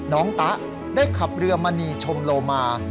น้องตะได้ขับเรือมาหนีชมโลมา